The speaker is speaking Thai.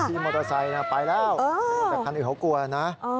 พี่มอเตอร์ไซค์ไปแล้วแต่คันอื่นเขากลัวนะ